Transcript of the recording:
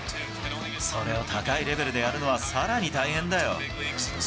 それを高いレベルでやるのはさらに大変だよ。